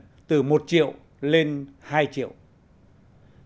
sau khi tìm hiểu bộ thông tin và truyền thông đã đưa tới hi vọng